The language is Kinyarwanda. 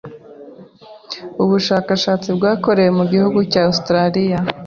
Ubushakashatsi bwakorewe mu gihugu cya Australia